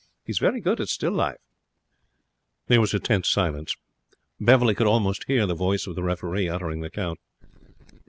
He is very good at still life.' There was a tense silence. Beverley could almost hear the voice of the referee uttering the count.